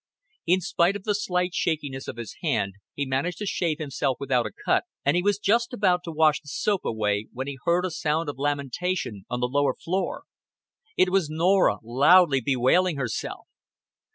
In spite of the slight shakiness of his hand he managed to shave himself without a cut, and he was just about to wash the soap away when he heard a sound of lamentation on the lower floor. It was Norah loudly bewailing herself.